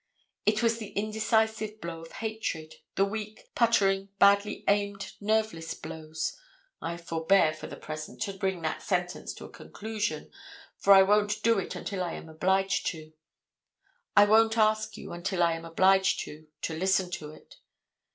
It was the indecisive blow of hatred, the weak, puttering, badly aimed, nerveless blows—I forbear for the present to bring that sentence to a conclusion, for I won't do it until I am obliged to. I won't ask you, until I am obliged to, to listen to it.